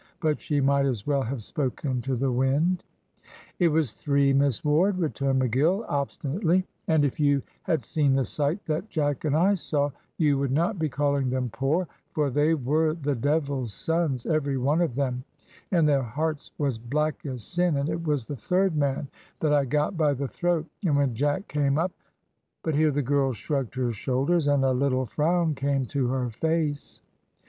But she might as well have spoken to the wind. "It was three, Miss Ward," returned McGill, obstinately; "and if you had seen the sight that Jack and I saw you would not be calling them poor, for they were the devil's sons, every one of them, and their hearts was black as sin, and it was the third man that I got by the throat; and when Jack came up " But here the girl shrugged her shoulders, and a little frown came to her face.